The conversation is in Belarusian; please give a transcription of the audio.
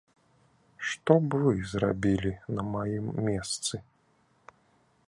Што б вы зрабілі на маім месцы?